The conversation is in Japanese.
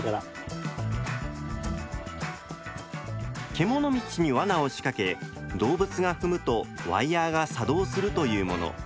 獣道にワナを仕掛け動物が踏むとワイヤーが作動するというもの。